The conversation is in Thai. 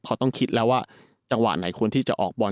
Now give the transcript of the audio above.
เขาต้องคิดแล้วว่าจังหวะไหนควรที่จะออกบอล